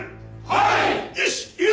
はい！